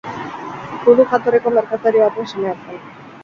Judu jatorriko merkatari baten semea zen.